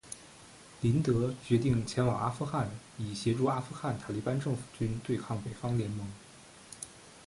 林德决定前往阿富汗以协助阿富汗塔利班政府军对抗北方联盟。